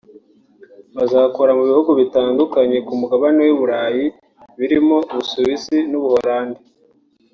bazakora mu bihugu bitandukanye ku Mugabane w’i Burayi birimo u Busuwisi n’u Buholandi